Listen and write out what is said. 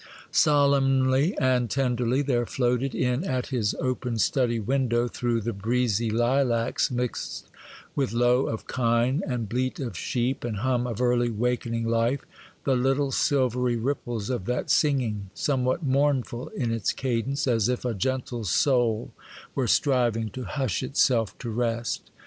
Solemnly and tenderly there floated in at his open study window, through the breezy lilacs, mixed with low of kine, and bleat of sheep, and hum of early wakening life, the little silvery ripples of that singing, somewhat mournful in its cadence, as if a gentle soul were striving to hush itself to rest.